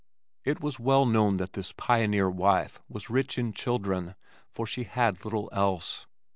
It was well that this pioneer wife was rich in children, for she had little else.